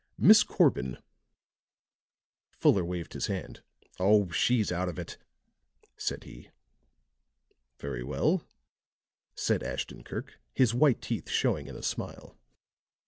Miss Corbin " Fuller waved his hand. "Oh, she's out of it," said he. "Very well," said Ashton Kirk, his white teeth showing in a smile.